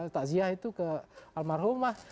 takziah itu ke almarhumah